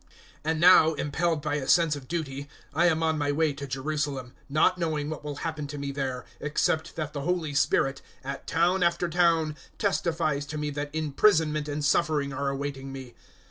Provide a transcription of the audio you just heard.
020:022 "And now, impelled by a sense of duty, I am on my way to Jerusalem, not knowing what will happen to me there, 020:023 except that the Holy Spirit, at town after town, testifies to me that imprisonment and suffering are awaiting me.